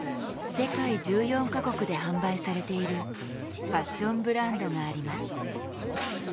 世界１４か国で販売されているファッションブランドがあります。